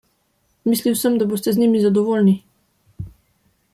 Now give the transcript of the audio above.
Mislil sem, da boste z njimi zadovoljni.